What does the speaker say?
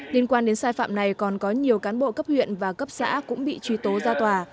liên quan đến sai phạm này còn có nhiều cán bộ cấp huyện và cấp xã cũng bị truy tố ra tòa